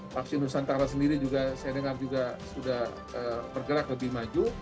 vaksin nusantara sendiri juga saya dengar juga sudah bergerak lebih maju